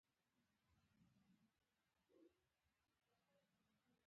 د ونې ریښه ځمکه ټینګه ساتي.